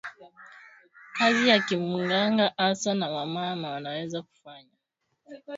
Kazi ya ki munganga ata na wa mama wanaweza kufanya